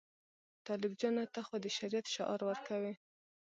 طالب جانه ته خو د شریعت شعار ورکوې.